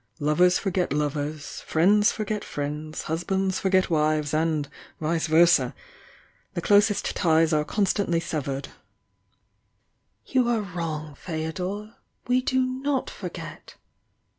Lovers forget lovers, friends forget friends, husbands forget wives and vice versa, — the closest ties are constantly severed 1} "You are wrong, Feodor — we do not forget!"